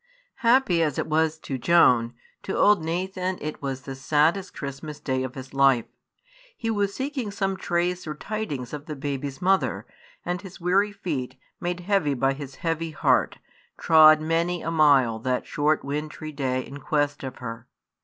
Happy as it was to Joan, to old Nathan it was the saddest Christmas Day of his life. He was seeking some trace or tidings of the baby's mother; and his weary feet, made heavy by his heavy heart, trod many a mile that short wintry day in quest of her.